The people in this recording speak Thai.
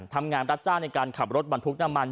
ทำงานรับจ้างในการขับรถบันทุกร์น้ำมัน